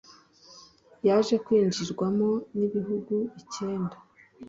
yaje kwinjirwamo n’ibihugu icyenda